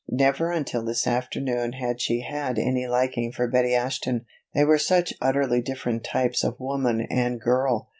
Never until this afternoon had she had any liking for Betty Ashton. They were such utterly different types of woman and girl!